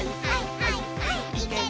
はいはい。